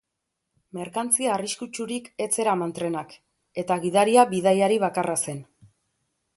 Merkantzia arriskutsurik ez zeraman trenak, eta gidaria bidaiari bakarra zen.